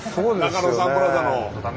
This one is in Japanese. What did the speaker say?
中野サンプラザの。